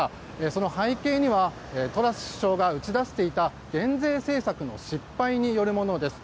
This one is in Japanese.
その背景にはトラス首相が打ち出していた減税政策の失敗によるものです。